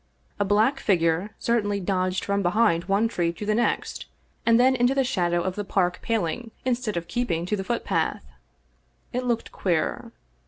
A black figure certainly dodged from behind one tree to the next, and then into the shadow of the park paling instead of keeping to the footpath. It looked queer.